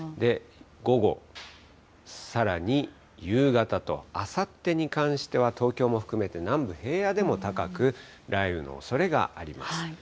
午後、さらに夕方と、あさってに関しては、東京も含めて、南部、平野でも高く、雷雨のおそれがあります。